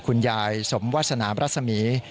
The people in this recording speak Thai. คุณยายสมวาสนามรัศมี